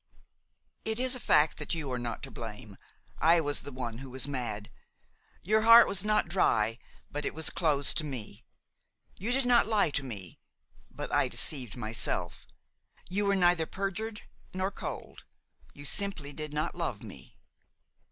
"It is a fact that you are not to blame; I was the one who was mad. Your heart was not dry, but it was closed to me. You did not lie to me, but I deceived myself. You were neither perjured nor cold; you simply did not love me.